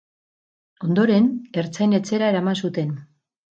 Ondoren, ertzain-etxera eraman zuten.